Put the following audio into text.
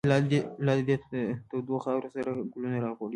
لاددی دتودوخاورو، سره ګلونه راغوړیږی